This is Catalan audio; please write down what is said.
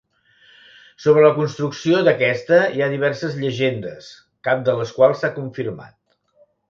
Sobre la construcció d'aquesta hi ha diverses llegendes, cap de les quals s'ha confirmat.